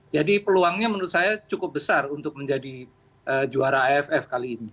jadi peluangnya menurut saya cukup besar untuk menjadi juara aff kali ini